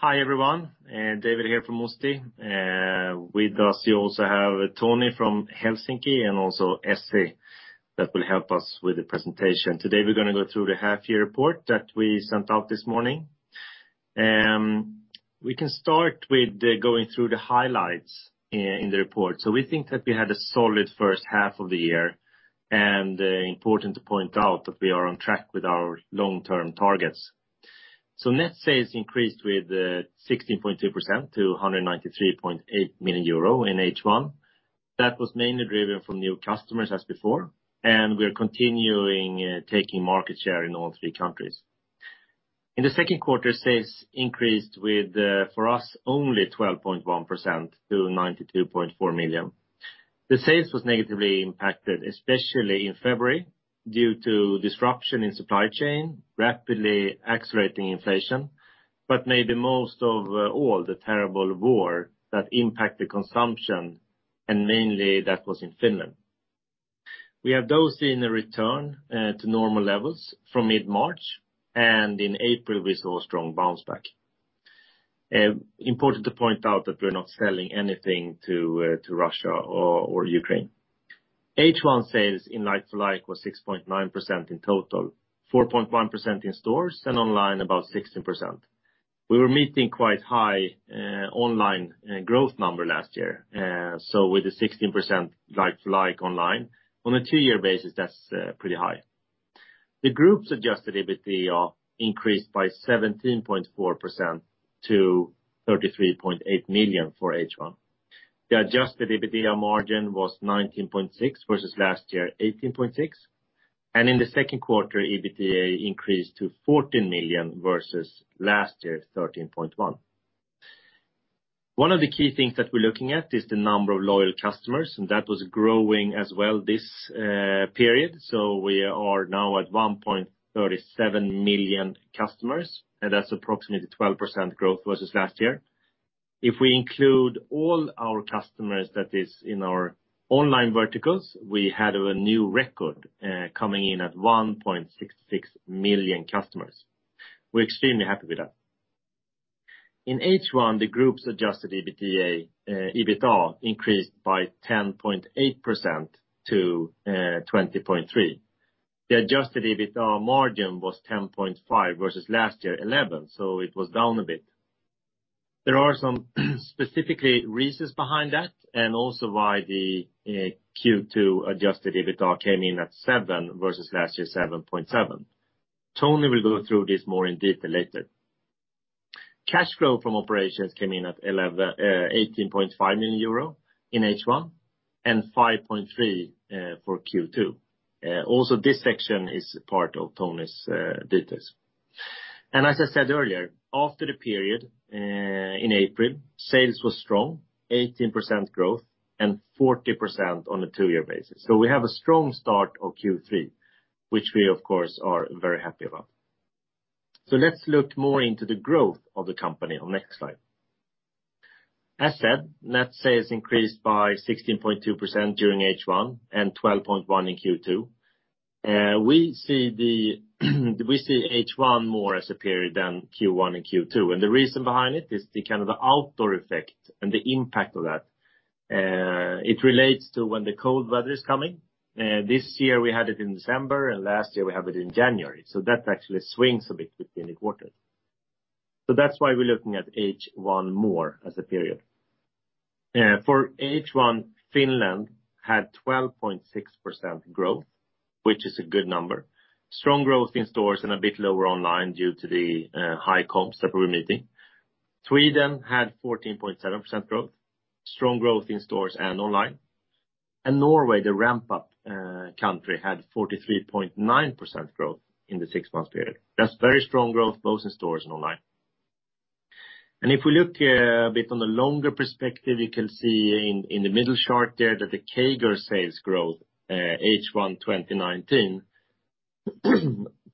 Hi, everyone. David Rönnberg here from Musti. With us, you also have Toni Rannikko from Helsinki and also Essi Nikitin that will help us with the presentation. Today, we're gonna go through the half year report that we sent out this morning. We can start with going through the highlights in the report. We think that we had a solid first half of the year, and important to point out that we are on track with our long-term targets. Net sales increased with 16.2% to 193.8 million euro in H1. That was mainly driven from new customers as before, and we are continuing taking market share in all three countries. In the second quarter, sales increased with, for us, only 12.1% to 92.4 million. The sales were negatively impacted, especially in February, due to disruption in supply chain, rapidly accelerating inflation, but maybe most of all, the terrible war that impacted consumption, and mainly that was in Finland. We have those returned to normal levels from mid-March, and in April, we saw a strong bounce back. Important to point out that we're not selling anything to Russia or Ukraine. H1 sales like-for-like was 6.9% in total, 4.1% in stores, and online, about 16%. We were meeting quite high online growth number last year. With the 16% like-for-like online, on a two-year basis, that's pretty high. The group's adjusted EBITDA increased by 17.4% to 33.8 million for H1. The adjusted EBITDA margin was 19.6% versus last year 18.6%. In the second quarter, EBITDA increased to 14 million versus last year 13.1 million. One of the key things that we're looking at is the number of loyal customers, and that was growing as well this period. We are now at 1.37 million customers, and that's approximately 12% growth versus last year. If we include all our customers that is in our online verticals, we had a new record coming in at 1.66 million customers. We're extremely happy with that. In H1, the group's adjusted EBITDA increased by 10.8% to 20.3 million. The adjusted EBITDA margin was 10.5% versus last year 11%, so it was down a bit. There are some specific reasons behind that and also why the Q2 adjusted EBITDA came in at 7% versus last year, 7.7%. Toni will go through this more in detail later. Cash flow from operations came in at 18.5 million euro in H1 and 5.3 million for Q2. This section is part of Toni's details. As I said earlier, after the period, in April, sales was strong, 18% growth and 40% on a two-year basis. We have a strong start of Q3, which we, of course, are very happy about. Let's look more into the growth of the company on next slide. As said, net sales increased by 16.2% during H1 and 12.1% in Q2. We see H1 more as a period than Q1 and Q2. The reason behind it is the kind of outdoor effect and the impact of that. It relates to when the cold weather is coming. This year, we had it in December, and last year, we had it in January. That actually swings a bit between the quarters. That's why we're looking at H1 more as a period. For H1, Finland had 12.6% growth, which is a good number. Strong growth in stores and a bit lower online due to the high comps that we're meeting. Sweden had 14.7% growth, strong growth in stores and online. Norway, the ramp-up country, had 43.9% growth in the six-month period. That's very strong growth, both in stores and online. If we look a bit on a longer perspective, you can see in the middle chart there that the CAGR sales growth H1 2019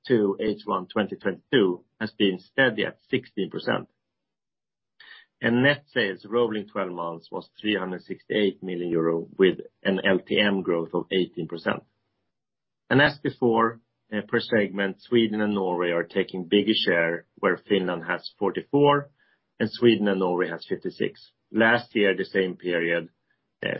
to H1 2022 has been steady at 16%. Net sales, rolling twelve months, was 368 million euro with an LTM growth of 18%. As before, per segment, Sweden and Norway are taking bigger share where Finland has 44% and Sweden and Norway have 56%. Last year, the same period,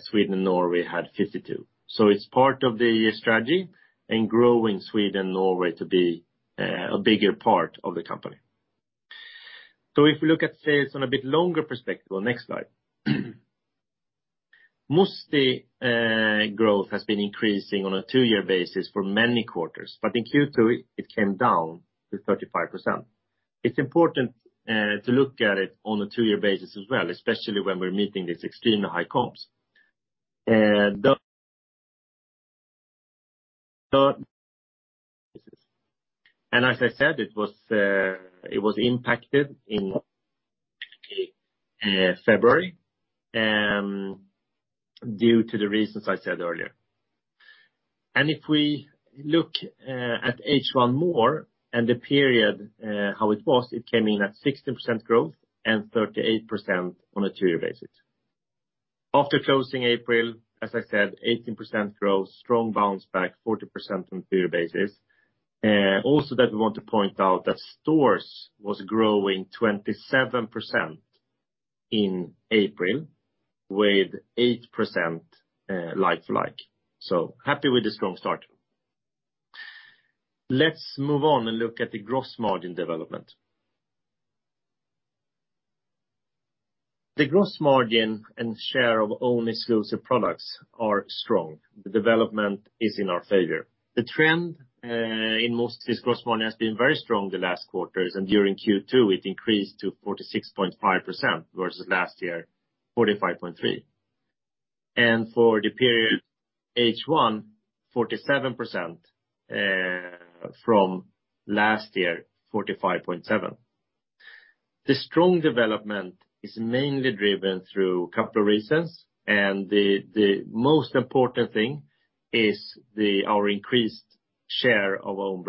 Sweden and Norway had 52%. It's part of the strategy in growing Sweden and Norway to be a bigger part of the company. If we look at sales on a bit longer perspective on next slide. Musti growth has been increasing on a two-year basis for many quarters, but in Q2, it came down to 35%. It's important to look at it on a two-year basis as well, especially when we're meeting these extremely high comps. As I said, it was impacted in February due to the reasons I said earlier. If we look at H1 more and the period, how it was, it came in at 16% growth and 38% on a two-year basis. After closing April, as I said, 18% growth, strong bounce-back, 40% on two-year basis. Also, we want to point out that stores were growing 27% in April with 8% like-for-like. Happy with the strong start. Let's move on and look at the gross margin development. The gross margin and share of own exclusive products are strong. The development is in our favor. The trend in our gross margin has been very strong the last quarters, and during Q2, it increased to 46.5% versus last year, 45.3%. For the period H1, 47% from last year, 45.7%. The strong development is mainly driven by couple of reasons. The most important thing is our increased share of own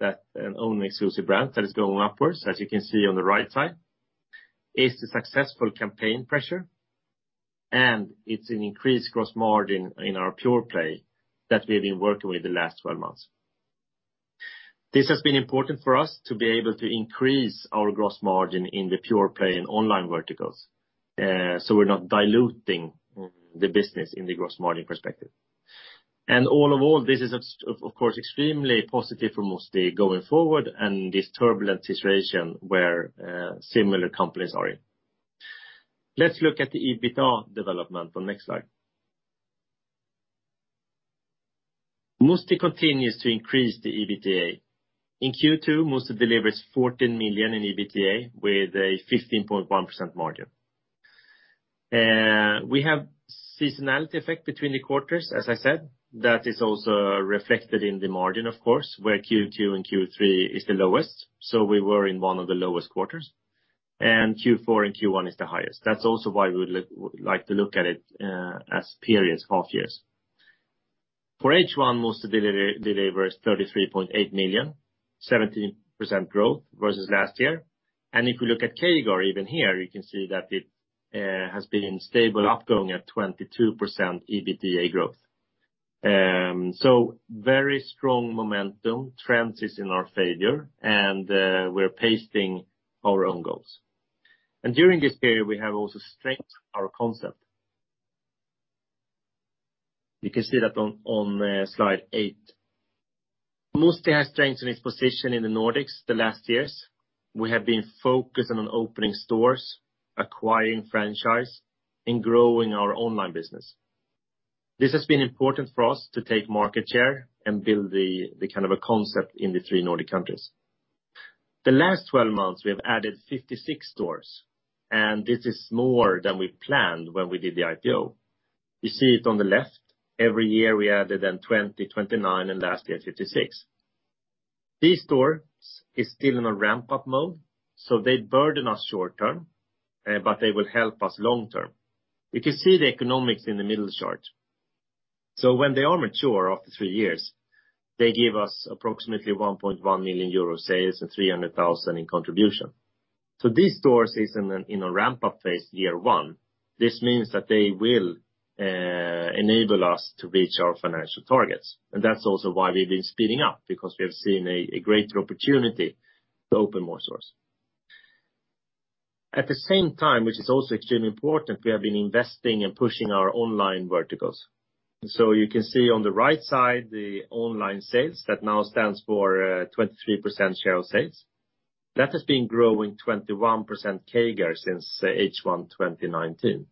and exclusive brands that is going upwards, as you can see on the right side, the successful campaigns plus the increased gross margin in our pure play that we've been working with the last 12 months. This has been important for us to be able to increase our gross margin in the pure play and online verticals, so we're not diluting the business in the gross margin perspective. All this is, of course, extremely positive for Musti going forward in this turbulent situation where similar companies are in. Let's look at the EBITDA development on next slide. Musti continues to increase the EBITDA. In Q2, Musti delivers 14 million in EBITDA with a 15.1% margin. We have seasonality effect between the quarters, as I said. That is also reflected in the margin, of course, where Q2 and Q3 is the lowest. We were in one of the lowest quarters, and Q4 and Q1 is the highest. That's also why we would like to look at it as periods, half years. For H1, Musti delivers 33.8 million, 17% growth versus last year. If you look at CAGR, even here, you can see that it has been stable, ongoing at 22% EBITDA growth. Very strong momentum trends is in our favor, and we're pacing our own goals. During this period, we have also strengthened our concept. You can see that on slide eight. Musti has strengthened its position in the Nordics the last years. We have been focused on opening stores, acquiring franchise, and growing our online business. This has been important for us to take market share and build the kind of a concept in the three Nordic countries. The last 12 months, we have added 56 stores, and this is more than we planned when we did the IPO. You see it on the left. Every year, we added then 20, 29, and last year, 56. These stores are still in a ramp-up mode, so they burden us short-term, but they will help us long-term. You can see the economics in the middle chart. When they are mature after three years, they give us approximately 1.1 million euro sales and 300,000 in contribution. These stores is in a ramp-up phase, year one. This means that they will enable us to reach our financial targets. That's also why we've been speeding up, because we have seen a greater opportunity to open more stores. At the same time, which is also extremely important, we have been investing and pushing our online verticals. You can see on the right side, the online sales that now stands for 23% share of sales. That has been growing 21% CAGR since H1 2019.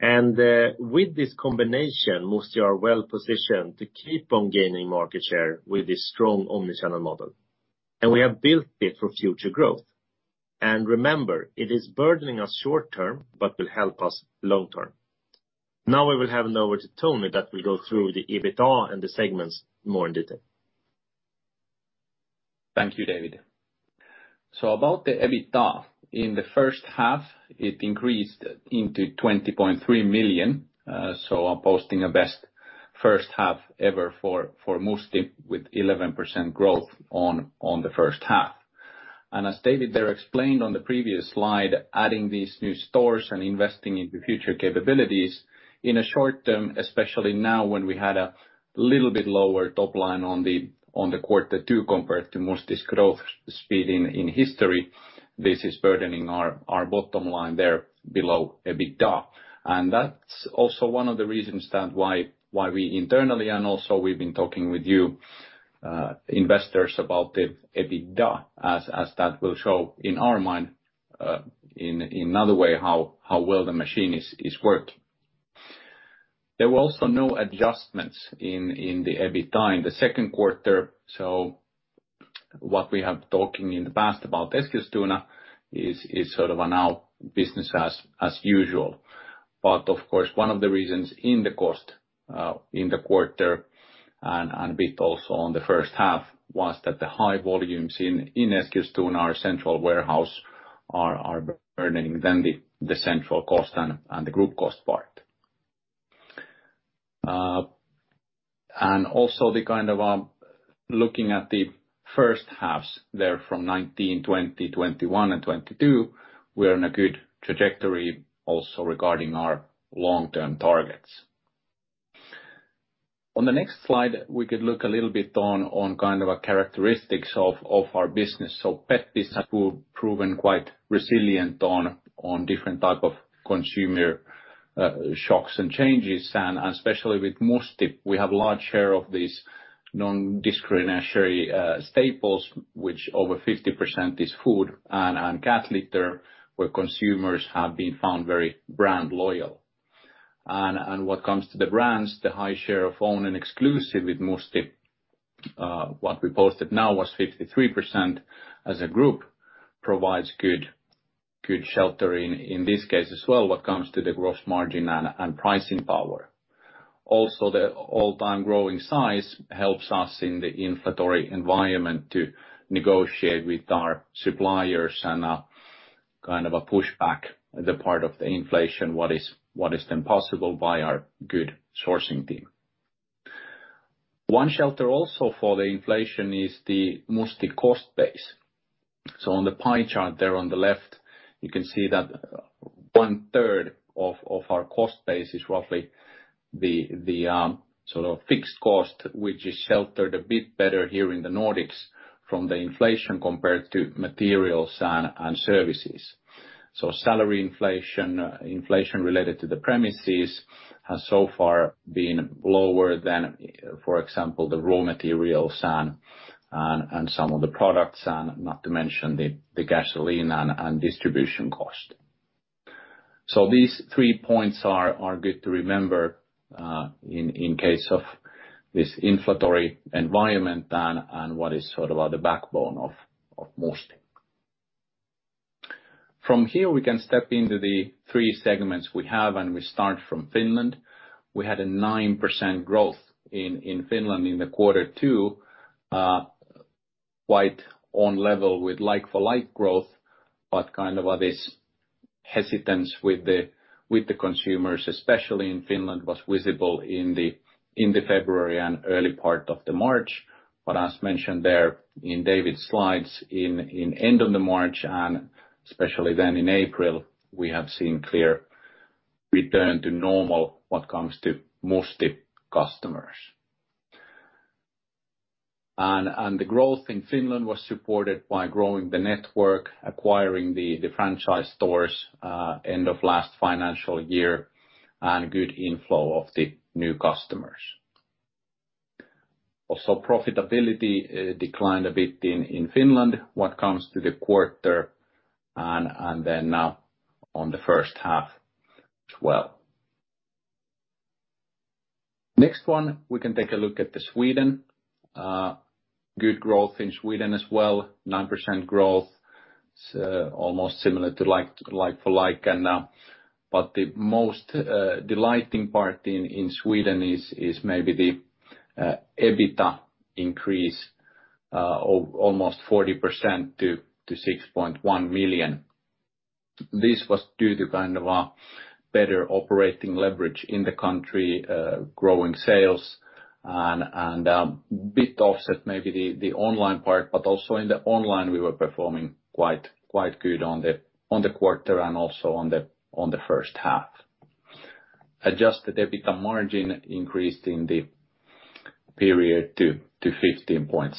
With this combination, Musti are well-positioned to keep on gaining market share with this strong omnichannel model. We have built it for future growth. Remember, it is burdening us short-term, but will help us long-term. Now we will hand over to Toni, that will go through the EBITDA and the segments more in detail. Thank you, David. About the EBITDA. In the first half, it increased to 20.3 million, so posting a best first half ever for Musti with 11% growth on the first half. As David there explained on the previous slide, adding these new stores and investing in the future capabilities in a short term, especially now when we had a little bit lower top line on the quarter two compared to Musti's growth speed in history, this is burdening our bottom line there below EBITDA. That's also one of the reasons why we internally and also we've been talking with you, investors about the EBITDA, as that will show in our mind, in other way how well the machine is worked. There were also no adjustments in the EBITDA in the second quarter. What we have been talking in the past about Eskilstuna is sort of now business as usual. Of course, one of the reasons for the cost in the quarter and a bit also on the first half was that the high volumes in Eskilstuna, our central warehouse are covering the central cost and the group cost part. Also, kind of, looking at the first halves there from 2019, 2020, 2021 and 2022, we are in a good trajectory also regarding our long-term targets. On the next slide, we could look a little bit on kind of characteristics of our business. Pets have proven quite resilient to different type of consumer shocks and changes. Especially with Musti, we have a large share of these non-discretionary staples, which over 50% is food and cat litter, where consumers have been found very brand loyal. What comes to the brands, the high share of own and exclusive with Musti, what we posted now was 53% as a group provides good shelter in this case as well, what comes to the gross margin and pricing power. Also, the all-time growing size helps us in the inflationary environment to negotiate with our suppliers and kind of push back the part of the inflation, what is then possible by our good sourcing team. One shelter also for the inflation is the Musti cost base. On the pie chart there on the left, you can see that 1/3 of our cost base is roughly the sort of fixed cost, which is sheltered a bit better here in the Nordics from the inflation compared to materials and services. Salary inflation related to the premises has so far been lower than, for example, the raw materials and some of the products, and not to mention the gasoline and distribution cost. These three points are good to remember, in case of this inflationary environment and what is sort of the backbone of Musti. From here, we can step into the three segments we have, and we start from Finland. We had 9% growth in Finland in quarter two, quite on level with like-for-like growth, but kind of this hesitance with the consumers, especially in Finland, was visible in February and early part of March. As mentioned there in David's slides, in end of March, and especially then in April, we have seen clear return to normal what comes to Musti customers. The growth in Finland was supported by growing the network, acquiring the franchise stores end of last financial year and good inflow of the new customers. Profitability declined a bit in Finland what comes to the quarter and then now on the first half as well. Next one, we can take a look at Sweden. Good growth in Sweden as well, 9% growth. It's almost similar to like-for-like, but the most delighting part in Sweden is maybe the EBITDA increase of almost 40% to 6.1 million. This was due to kind of a better operating leverage in the country, growing sales and a bit offset maybe the online part. But also in the online, we were performing quite good on the quarter and also on the first half. Adjusted EBITDA margin increased in the period to 15.6%.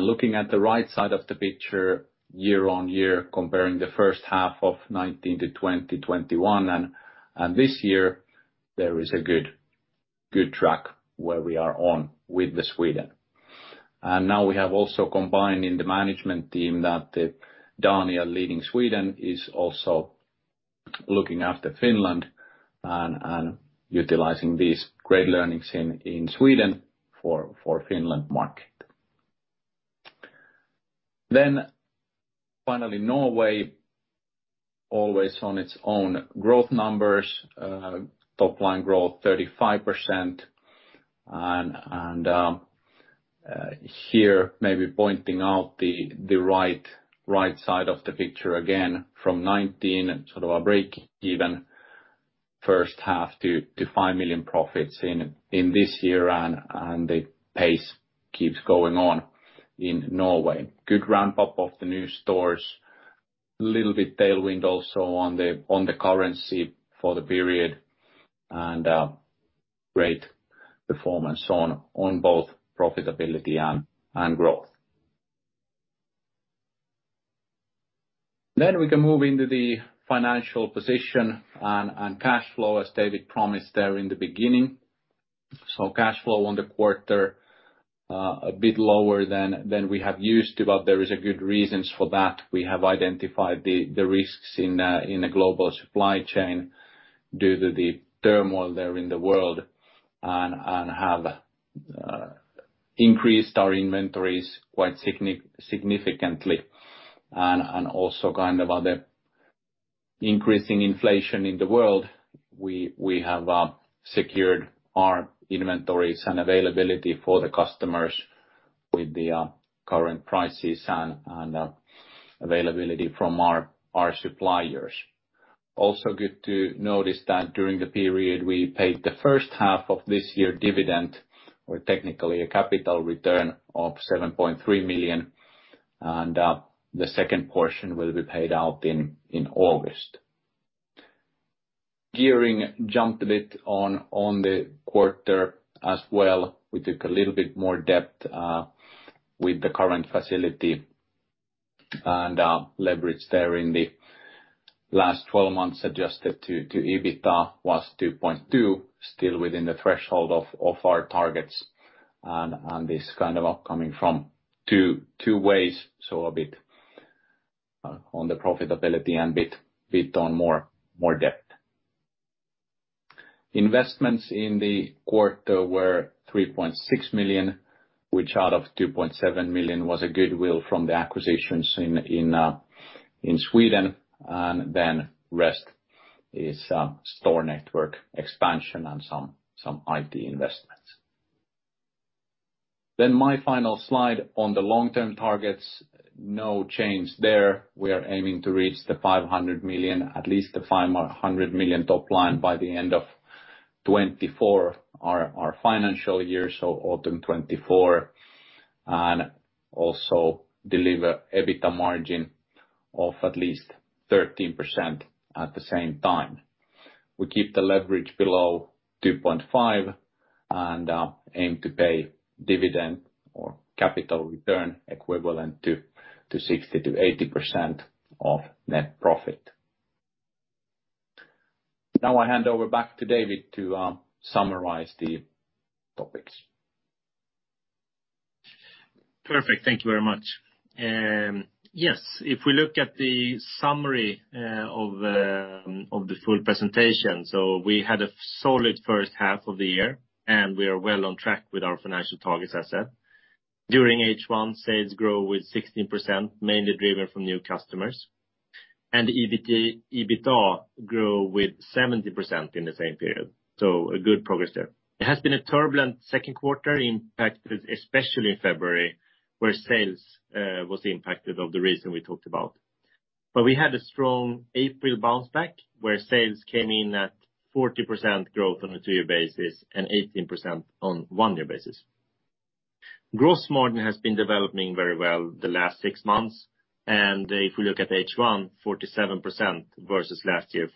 Looking at the right side of the picture year-on-year, comparing the first half of 2019 to 2020, 2021 and this year, there is a good track where we are on with Sweden. Now we have also combined in the management team that Daniel leading Sweden is also looking after Finland and utilizing these great learnings in Sweden for Finland market. Finally, Norway always on its own growth numbers, top line growth 35%. Here, maybe pointing out the right side of the picture again from 2019, sort of a break-even first half to 5 million profits in this year and the pace keeps going on in Norway. Good ramp-up of the new stores. A little bit tailwind also on the currency for the period and great performance on both profitability and growth. We can move into the financial position and cash flow, as David promised there in the beginning. Cash flow on the quarter a bit lower than we have used to. There are good reasons for that. We have identified the risks in the global supply chain due to the turmoil there in the world and have increased our inventories quite significantly. Also kind of the increasing inflation in the world, we have secured our inventories and availability for the customers with the current prices and availability from our suppliers. Also good to notice that during the period we paid the first half of this year dividend, or technically a capital return of 7.3 million, and the second portion will be paid out in August. Gearing jumped a bit on the quarter as well. We took a little bit more debt with the current facility. Leverage there in the last twelve months adjusted to EBITDA was 2.2x, still within the threshold of our targets and it's kind of coming up from two ways. A bit on the profitability and bit on more depth. Investments in the quarter were 3.6 million, which out of 2.7 million was a goodwill from the acquisitions in Sweden, and then rest is store network expansion and some IT investments. My final slide on the long-term targets, no change there. We are aiming to reach the 500 million, at least the 500 million top line by the end of 2024, our financial year, autumn 2024, and also deliver EBITDA margin of at least 13% at the same time. We keep the leverage below 2.5x, and aim to pay dividends or capital return equivalent to 60%-80% of net profit. Now I hand over back to David to summarize the topics. Perfect. Thank you very much. Yes, if we look at the summary of the full presentation, we had a solid first half of the year, and we are well on track with our financial targets, as I said. During H1, sales grew by 16%, mainly driven by new customers. The EBITDA grew by 70% in the same period. A good progress there. It has been a turbulent second quarter, impacted especially in February, where sales was impacted by the reason we talked about. We had a strong April bounce-back, where sales came in at 40% growth on a two-year basis and 18% on a one-year basis. Gross margin has been developing very well the last six months, and if we look at H1, 47% versus last year,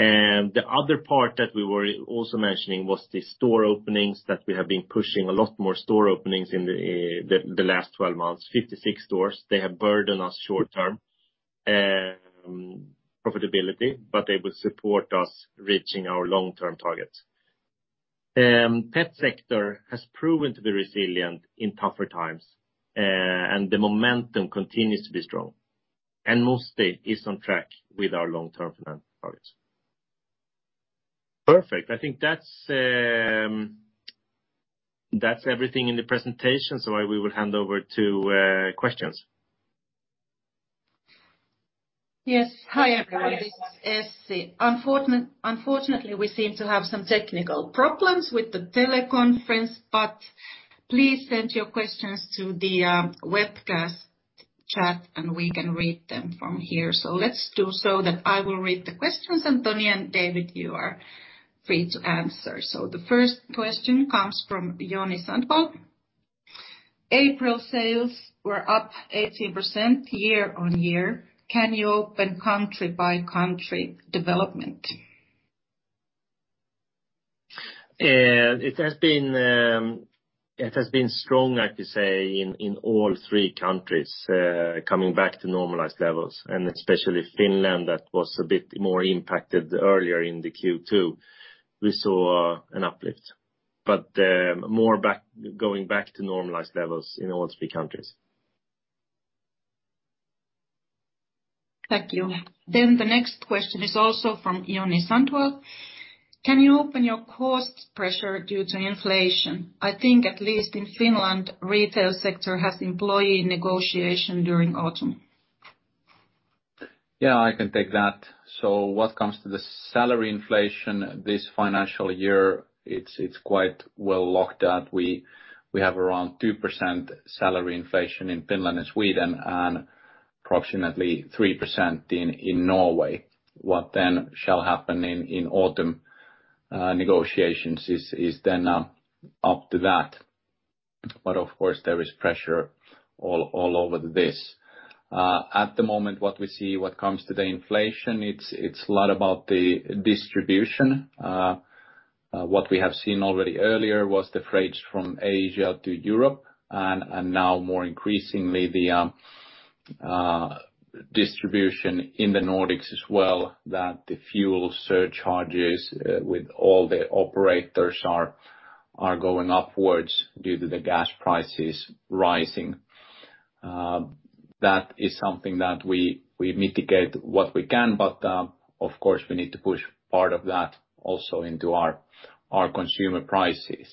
45.7%. The other part that we were also mentioning was the store openings, that we have been pushing a lot more store openings in the last 12 months, 56 stores. They have burdened us short-term profitability, but they will support us reaching our long-term targets. Pet sector has proven to be resilient in tougher times, and the momentum continues to be strong and Musti is on track with our long-term financial targets. Perfect. I think that's that's everything in the presentation, so I will hand over to questions. Yes. Hi, everyone. This is Essi. Unfortunately, we seem to have some technical problems with the teleconference, but please send your questions to the webcast chat and we can read them from here. Let's do so that I will read the questions, and Toni and David, you are free to answer. The first question comes from Joni Sandvall. April sales were up 18% year-on-year. Can you open country-by-country development? It has been strong, I could say, in all three countries, coming back to normalized levels, and especially Finland that was a bit more impacted earlier in the Q2. We saw an uplift, but going back to normalized levels in all three countries. Thank you. The next question is also from Joni Sandvall. Can you open your cost pressure due to inflation? I think at least in Finland, retail sector has employee negotiation during autumn. Yeah, I can take that. What comes to the salary inflation this financial year, it's quite well locked up. We have around 2% salary inflation in Finland and Sweden and approximately 3% in Norway. What then shall happen in autumn negotiations is then up to that. Of course, there is pressure all over this. At the moment, what we see comes to the inflation, it's a lot about the distribution. What we have seen already earlier was the freights from Asia to Europe and now more increasingly the distribution in the Nordics as well, that the fuel surcharges with all the operators are going upwards due to the gas prices rising. That is something that we mitigate what we can, but of course, we need to push part of that also into our consumer prices.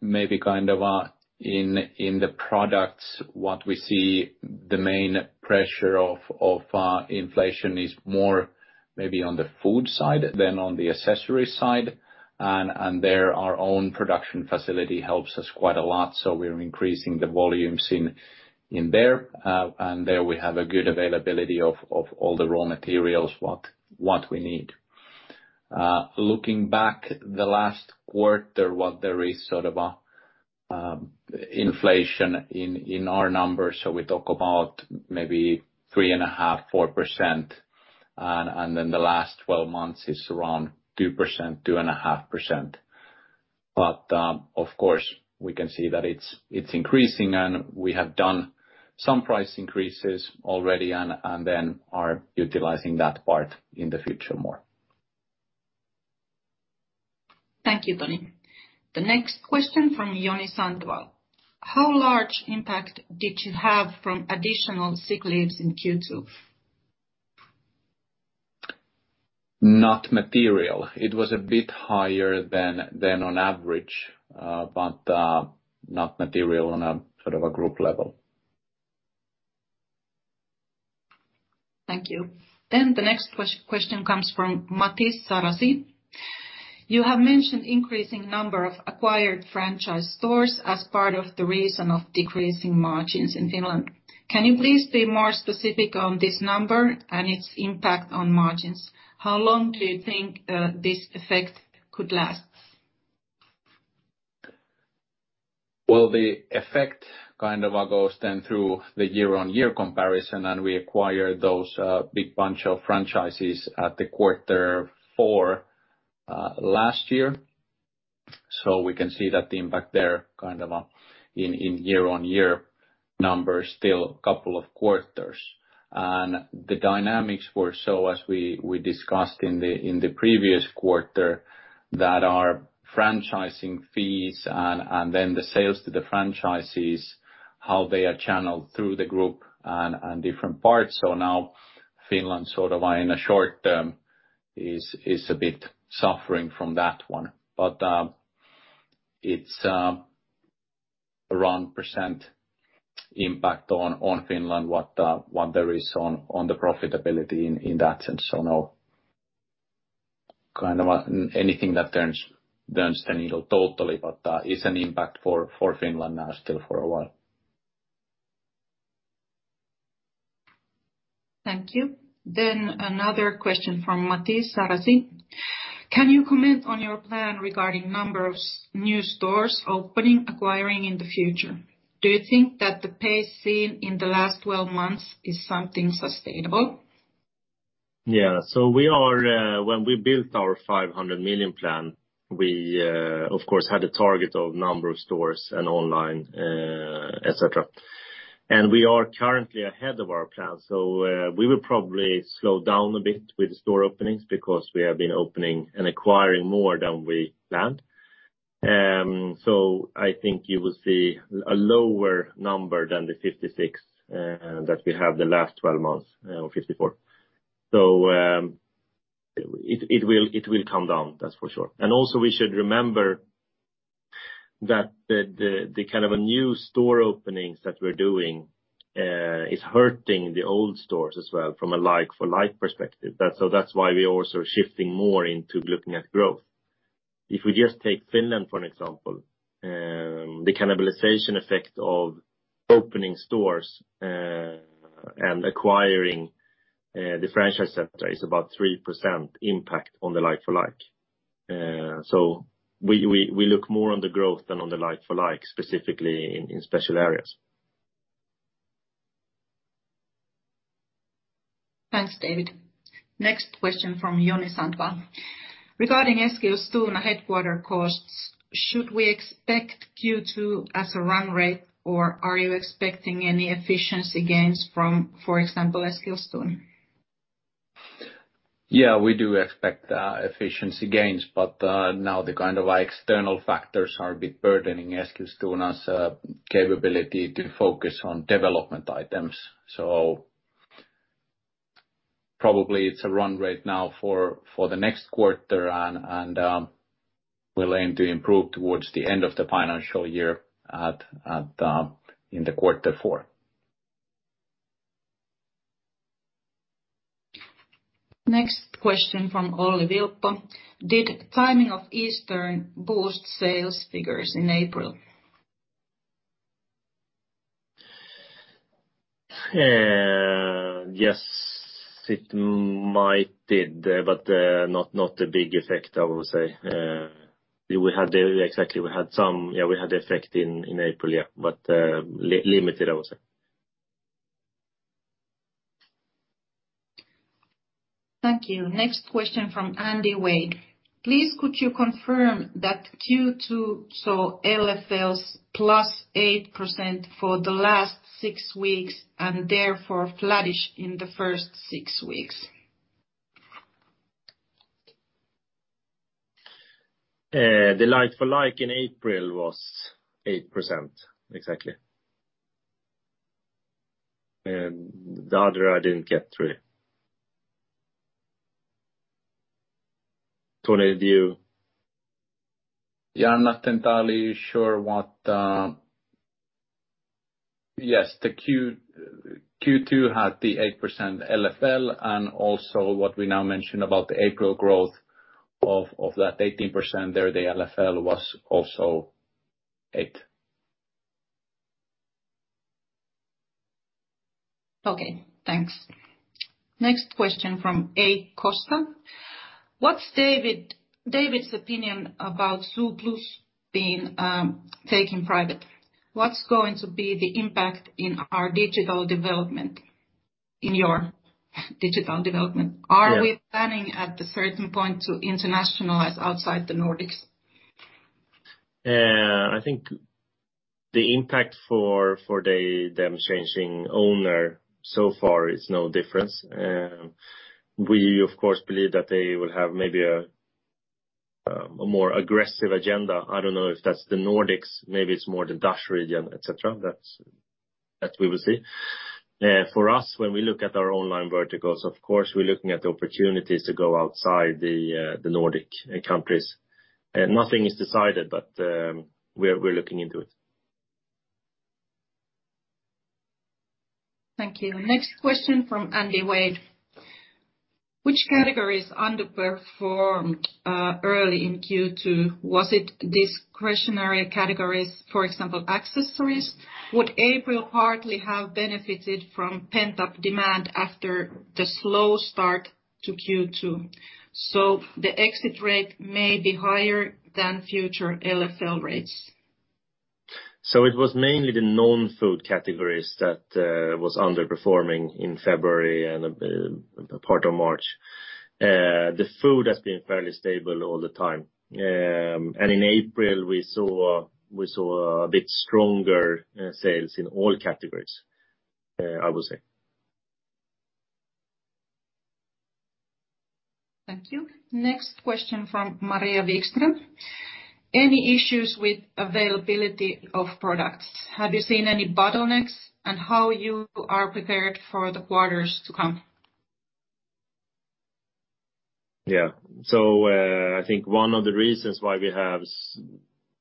Maybe kind of in the products, what we see the main pressure of inflation is more maybe on the food side than on the accessory side, and there, our own production facility helps us quite a lot, so we're increasing the volumes in there. There we have a good availability of all the raw materials, what we need. Looking back the last quarter, what there is sort of a inflation in our numbers. We talk about maybe 3.5%-4%. The last twelve months is around 2%-2.5%. Of course, we can see that it's increasing, and we have done some price increases already and then are utilizing that part in the future more. Thank you, Toni. The next question from Joni Sandvall: "How large impact did you have from additional sick leaves in Q2?" Not material. It was a bit higher than on average, but not material on a sort of a group level. Thank you. The next question comes from [Mathias Sarasi]: "You have mentioned increasing number of acquired franchise stores as part of the reason of decreasing margins in Finland. Can you please be more specific on this number and its impact on margins? How long do you think this effect could last?" Well, the effect kind of goes then through the year-on-year comparison, and we acquired those big bunch of franchises at the quarter four last year. We can see that the impact there kind of in year-on-year numbers still couple of quarters. The dynamics were so as we discussed in the previous quarter, that our franchising fees and then the sales to the franchises, how they are channeled through the group and different parts. Now Finland sort of in the short-term is a bit suffering from that one. It's around [inaudible] percent impact on Finland what there is on the profitability in that sense. No kind of anything that turns the needle totally but is an impact for Finland now still for a while. Thank you. Another question from [Mathias Sarasi]: "Can you comment on your plan regarding number of new stores opening, acquiring in the future? Do you think that the pace seen in the last 12 months is something sustainable? Yeah. We are when we built our 500 million plan, we, of course, had a target of number of stores and online, et cetera. We are currently ahead of our plan. We will probably slow down a bit with store openings because we have been opening and acquiring more than we planned. I think you will see a lower number than the 56 that we have the last twelve months, or 54. It will come down, that's for sure. We should remember that the kind of a new store openings that we're doing is hurting the old stores as well from a like-for-like perspective. That's why we're also shifting more into looking at growth. If we just take Finland, for an example, the cannibalization effect of opening stores and acquiring the franchise center is about 3% impact on the like-for-like. We look more on the growth than on the like-for-like, specifically in specific areas. Thanks, David. Next question from Joni Sandvall: "Regarding Eskilstuna headquarters costs, should we expect Q2 as a run rate or are you expecting any efficiency gains from, for example, Eskilstuna? Yeah, we do expect efficiency gains, but now the kind of external factors are a bit burdening Eskilstuna's capability to focus on development items. Probably it's a run rate now for the next quarter and we'll aim to improve towards the end of the financial year in quarter four. Next question from Olli Vilppo: "Did timing of Easter boost sales figures in April? Yes, it might did, but not a big effect, I would say. We had the effect in April, but limited, I would say. Thank you. Next question from Andy Wade: "Please could you confirm that Q2 saw LFLs +8% for the last six weeks and therefore flattish in the first six weeks?" The like-for-like in April was 8%, exactly. The other I didn't get through. Toni, do you? Yes, the Q2 had the 8% LFL, and also what we now mentioned about the April growth of that 18% there, the LFL was also 8%. Okay, thanks. Next question from A. Costa. What's David's opinion about Zooplus being taken private? What's going to be the impact in our digital development? In your digital development. Yeah. Are we planning at a certain point to internationalize outside the Nordics? I think the impact for them changing owner so far is no difference. We of course believe that they will have maybe a more aggressive agenda. I don't know if that's the Nordics, maybe it's more the Dutch region, et cetera. That we will see. For us, when we look at our online verticals, of course we're looking at the opportunities to go outside the Nordic countries. Nothing is decided but we're looking into it. Thank you. Next question from Andy Wade. Which categories underperformed early in Q2? Was it discretionary categories, for example, accessories? Would April partly have benefited from pent-up demand after the slow start to Q2, so the exit rate may be higher than future LFL rates? It was mainly the non-food categories that was underperforming in February and part of March. The food has been fairly stable all the time. In April we saw a bit stronger sales in all categories, I would say. Thank you. Next question from Maria Wikstrom. Any issues with availability of products? Have you seen any bottlenecks, and how you are prepared for the quarters to come? I think one of the reasons why we have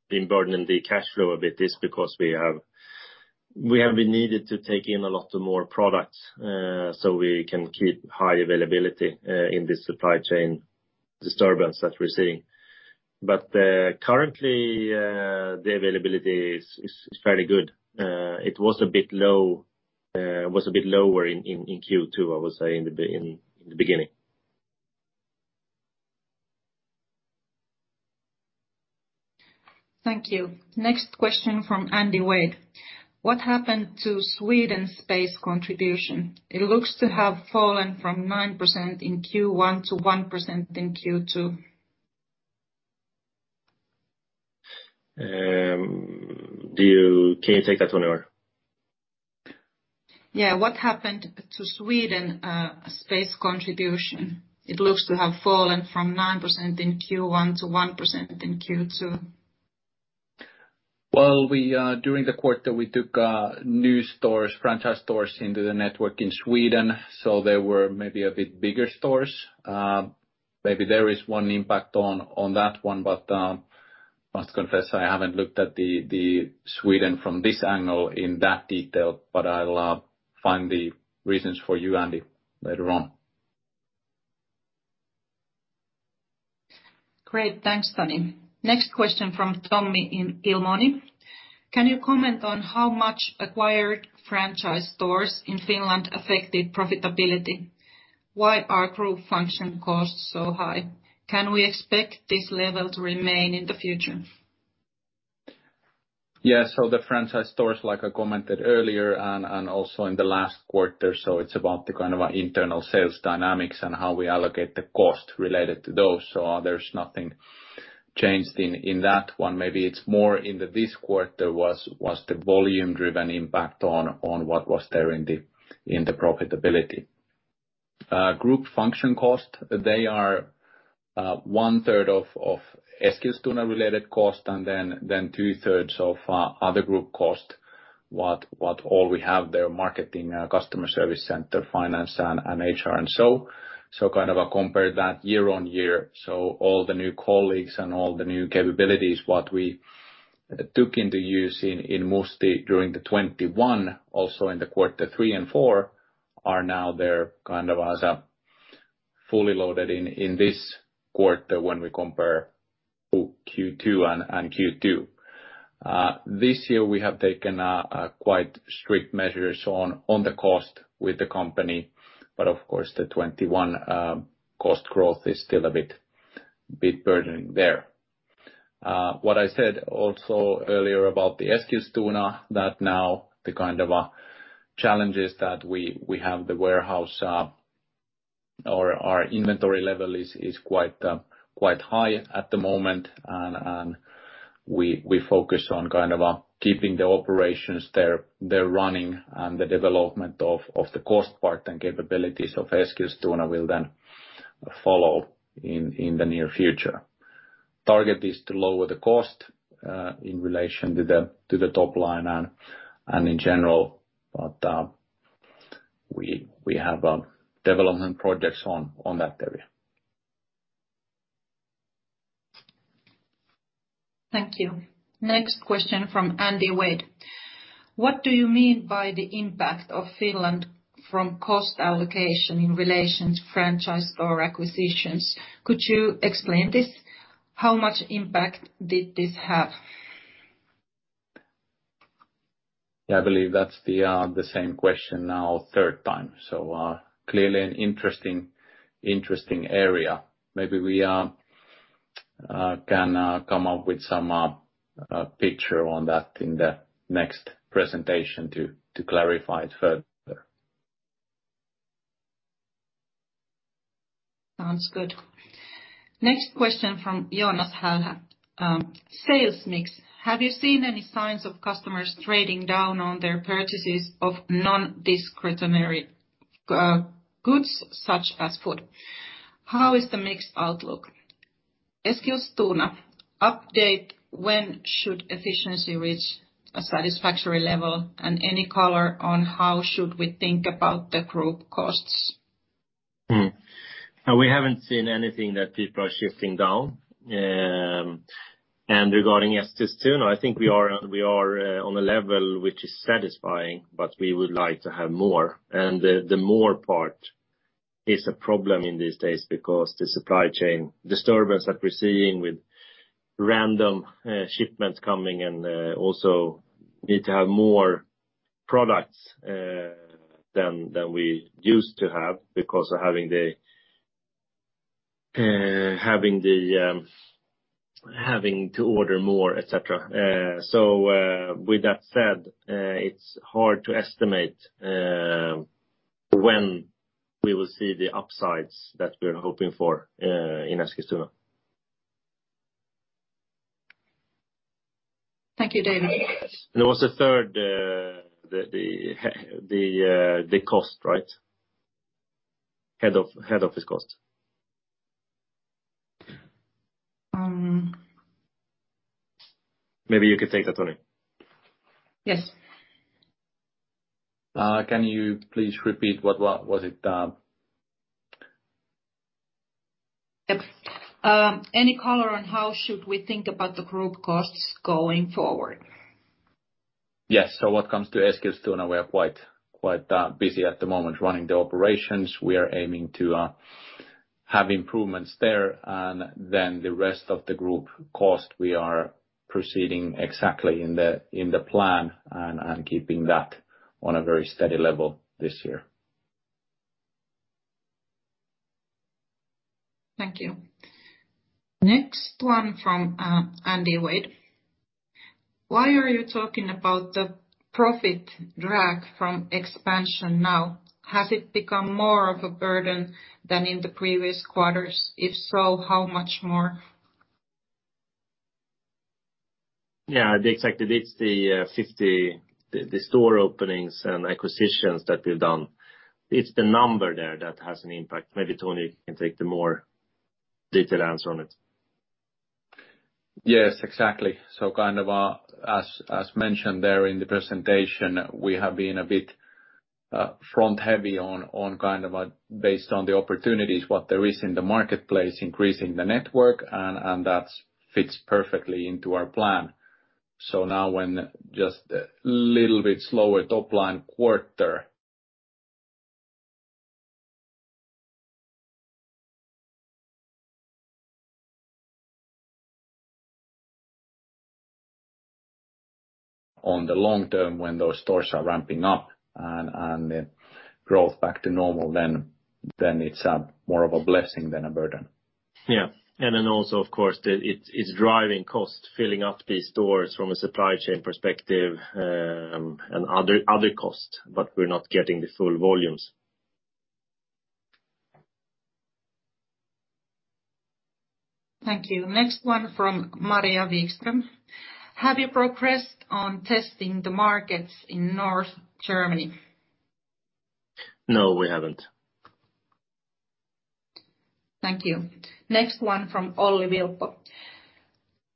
been burdening the cash flow a bit is because we have been needed to take in a lot more products, so we can keep high availability in this supply chain disturbance that we're seeing. Currently, the availability is fairly good. It was a bit low, was a bit lower in Q2, I would say, in the beginning. Thank you. Next question from Andy Wade. What happened to Sweden sales contribution? It looks to have fallen from 9% in Q1 to 1% in Q2. Can you take that one or? Yeah. What happened to Sweden's sales contribution? It looks to have fallen from 9% in Q1 to 1% in Q2. Well, during the quarter, we took new stores, franchise stores into the network in Sweden, so they were maybe a bit bigger stores. Maybe there is one impact on that one. I must confess, I haven't looked at the Sweden from this angle in that detail, but I'll find the reasons for you, Andy, later on. Great. Thanks, Toni. Next question from Tommy Ilmoni. Can you comment on how much acquired franchise stores in Finland affected profitability? Why are group function costs so high? Can we expect this level to remain in the future? Yeah. The franchise stores, like I commented earlier and also in the last quarter, it's about the kind of internal sales dynamics and how we allocate the cost related to those. There's nothing changed in that one. Maybe it's more in this quarter was the volume-driven impact on what was there in the profitability. Group function cost, they are 1/3 of Eskilstuna-related cost and then 2/3 of other group cost, what all we have there, marketing, customer service center, finance and HR and so. Kind of compare that year-on-year. All the new colleagues and all the new capabilities, what we took into use in Musti during the 2021, also in the quarter three and four, are now there kind of as a fully loaded in this quarter when we compare Q1-Q2 and Q2. This year we have taken quite strict measures on the costs within the company, but of course the 2021 cost growth is still a bit burdening there. What I said also earlier about the Eskilstuna, that now the kind of a challenges that we have the warehouse or our inventory level is quite high at the moment and we focus on kind of keeping the operations there running and the development of the cost part and capabilities of Eskilstuna will then follow in the near future. Target is to lower the cost in relation to the top line and in general. We have development projects on that area. Thank you. Next question from Andy Wade. What do you mean by the impact of Finland from cost allocation in relation to franchise store acquisitions? Could you explain this? How much impact did this have? I believe that's the same question now the third time. Clearly an interesting area. Maybe we can come up with some picture on that in the next presentation to clarify it further. Sounds good. Next question from [Jonas Häggblom]. Sales mix. Have you seen any signs of customers trading down on their purchases of non-discretionary goods such as food? How is the mix outlook? Eskilstuna update, when should efficiency reach a satisfactory level, and any color on how should we think about the group costs? We haven't seen anything that people are shifting down. Regarding Eskilstuna, I think we are on a level which is satisfying, but we would like to have more. The more part is a problem in these days because the supply chain disturbance that we're seeing with random shipments coming and also need to have more products than we used to have because of having to order more, et cetera. With that said, it's hard to estimate when we will see the upsides that we're hoping for in Eskilstuna. Thank you, David. There was a third, the cost, right? Head office cost. Uhm. Maybe you could take that, Toni. Yes. Can you please repeat what was it? Yep. Any color on how should we think about the group costs going forward? Yes. When it comes to Eskilstuna, we are quite busy at the moment running the operations. We are aiming to have improvements there. Then the rest of the group costs, we are proceeding exactly in the plan and keeping that on a very steady level this year. Thank you. Next one from Andy Wade. Why are you talking about the profit drag from expansion now? Has it become more of a burden than in the previous quarters? If so, how much more? Yeah. Exactly. It's the 50 store openings and acquisitions that we've done. It's the number there that has an impact. Maybe Toni can take the more detailed answer on it. Yes, exactly. Kind of, as mentioned there in the presentation, we have been a bit front heavy on kind of, based on the opportunities, what there is in the marketplace, increasing the network, and that fits perfectly into our plan. Now when just a little bit slower top line quarter. On the long term, when those stores are ramping up and the growth back to normal, then it's more of a blessing than a burden. Yeah. Then also, of course, it's driving cost, filling up these stores from a supply chain perspective, and other costs, but we're not getting the full volumes. Thank you. Next one from Maria Wikstrom. Have you progressed on testing the markets in North Germany? No, we haven't. Thank you. Next one from Olli Vilppo.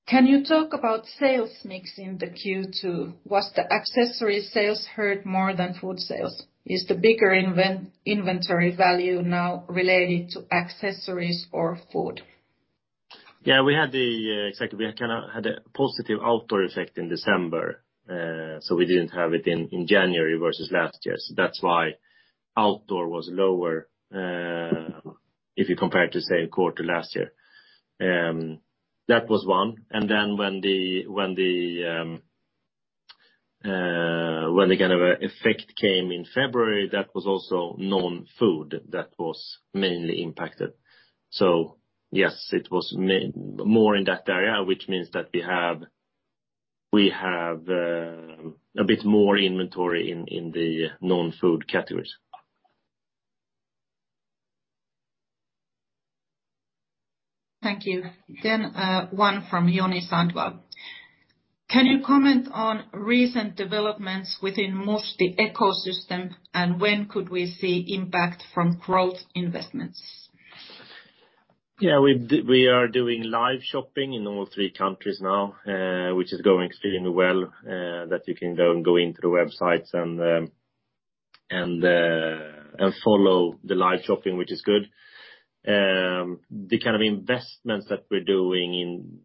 Can you talk about sales mix in the Q2? Was the accessory sales hurt more than food sales? Is the bigger inventory value now related to accessories or food? Yeah, we kinda had a positive outdoor effect in December. We didn't have it in January versus last year. That's why outdoor was lower if you compare it to, say, quarter last year. That was one. Then when the kind of effect came in February, that was also non-food that was mainly impacted. Yes, it was more in that area, which means that we have a bit more inventory in the non-food categories. Thank you. One from Joni Sandvall. Can you comment on recent developments within the Musti ecosystem and when could we see impact from growth investments? Yeah, we are doing live shopping in all three countries now, which is going extremely well, that you can go into the websites and follow the live shopping, which is good. The kind of investments that we're doing.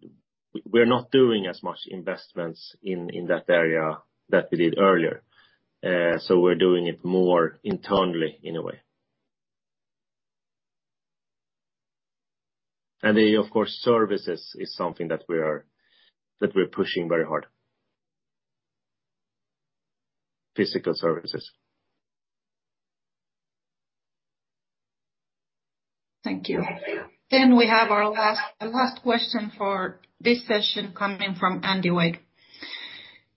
We're not doing as much investments in that area that we did earlier. We're doing it more internally in a way. Of course, services is something that we're pushing very hard, physical services. Thank you. We have our last question for this session coming from Andy Wade.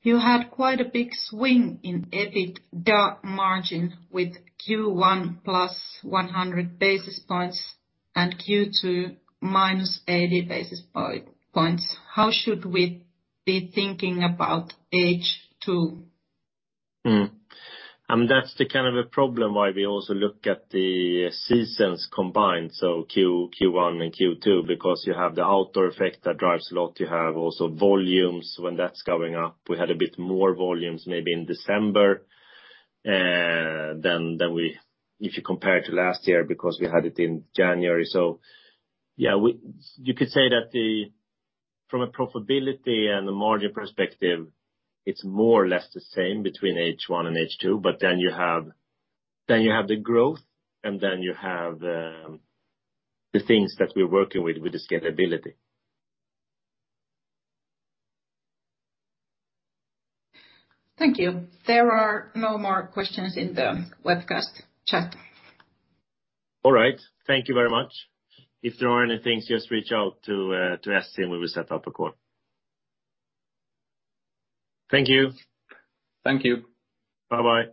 You had quite a big swing in EBITDA margin with Q1 +100 basis points and Q2 -80 basis points. How should we be thinking about H2? That's the kind of a problem why we also look at the seasons combined, so Q1 and Q2, because you have the outdoor effect that drives a lot. You have also volumes when that's going up. We had a bit more volumes maybe in December than if you compare to last year, because we had it in January. Yeah, you could say that from a profitability and a margin perspective, it's more or less the same between H1 and H2, but then you have the growth, and then you have the things that we're working with the scalability. Thank you. There are no more questions in the webcast chat. All right. Thank you very much. If there are any things, just reach out to Essi, and we will set up a call. Thank you. Thank you. Bye-bye.